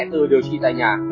từ điều trị tại nhà